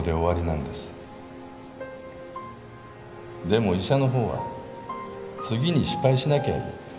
でも医者のほうは次に失敗しなきゃいい。